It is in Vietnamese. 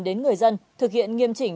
đến người dân thực hiện nghiêm chỉnh